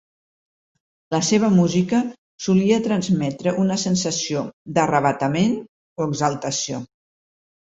La seva música solia transmetre una sensació d'arravatament o exaltació.